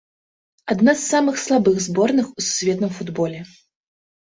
Адна з самых слабых зборных у сусветным футболе.